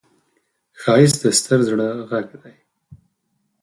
ښایست د ستر زړه غږ دی